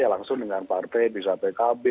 langsung dengan partai bisa pkb